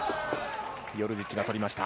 ヨルジッチが取りました。